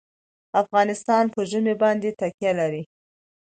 افغانستان په ژمی باندې تکیه لري.